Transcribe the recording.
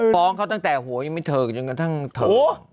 ฟ้องเขาตั้งแต่หัวยังไม่เทิงจนกระทั่งเทิงโอ้โหเขาไปมานานแล้ว